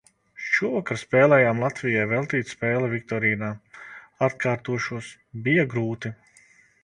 Šovakar spēlējām Latvijai veltītu spēli Viktorīnā. Atkārtošos – bija grūti.